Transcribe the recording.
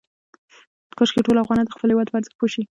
کاشکې ټول افغانان د خپل هېواد په ارزښت پوه شي.